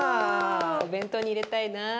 お弁当に入れたいな。